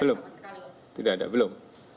belum tidak ada belum